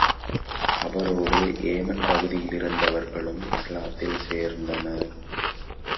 அவரோடு ஏமன் பகுதியிலிருந்தவர்களும் இஸ்லாத்தில் சேர்ந்தனர்.